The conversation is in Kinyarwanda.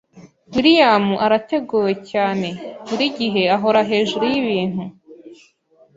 William arateguwe cyane. Buri gihe ahora hejuru yibintu.